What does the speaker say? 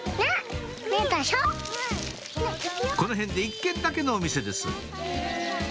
この辺で１軒だけのお店です